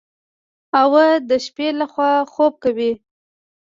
او د شپې لخوا خوب کوي.